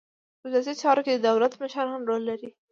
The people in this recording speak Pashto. په سیاسي چارو کې د دولت مشران رول لري